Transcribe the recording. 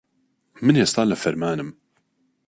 من ئێستا لە فەرمانم.